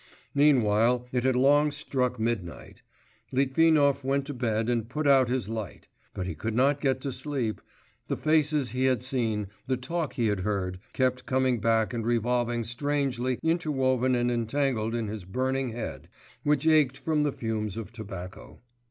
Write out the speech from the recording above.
Meanwhile it had long struck midnight; Litvinov went to bed and put out his light. But he could not get to sleep; the faces he had seen, the talk he had heard, kept coming back and revolving, strangely interwoven and entangled in his burning head, which ached from the fumes of tobacco.